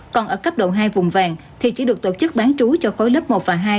còn ở cấp độ hai vùng vàng thì chỉ được tổ chức bán trú cho khối lớp một và hai